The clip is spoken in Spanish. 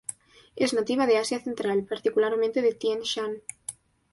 Es nativa de Asia central, particularmente de Tien Shan.